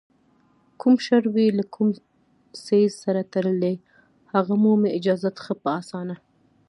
کوم شر وي له کوم څیز سره تړلی، هغه مومي اجازت ښه په اسانه